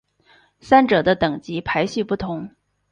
三者的等级排序不同。